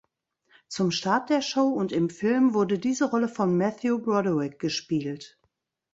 Zum Start der Show und im Film wurde diese Rolle von Matthew Broderick gespielt.